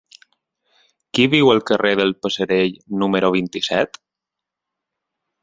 Qui viu al carrer del Passerell número vint-i-set?